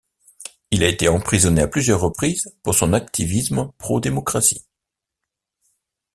Il a été emprisonné à plusieurs reprises pour son activisme pro-démocratie.